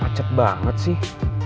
macet banget sih